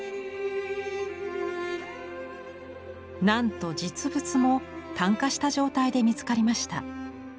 なんと実物も炭化した状態で見つかりました。